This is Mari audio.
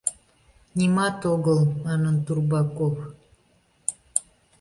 — Нимат огыл, — манын Турбаков.